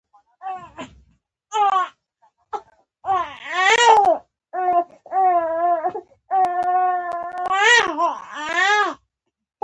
وحشي حیوانات او ناروغۍ د خلکو ژوند ته ګواښ وو.